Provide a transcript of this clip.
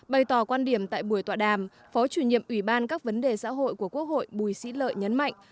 bày tỏ quan điểm tại buổi tọa đàm phó chủ nhiệm ủy ban các vấn đề xã hội của quốc hội bùi sĩ lợi nhấn mạnh